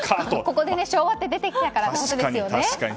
ここで昭和って出てきたからってことですよね。